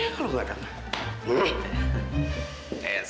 kalau lu nggak ada